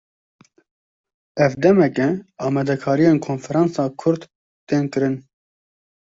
Ev demeke, amadekariyên konferansa Kurd tên kirin